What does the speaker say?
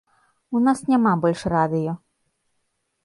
У нас няма больш радыё.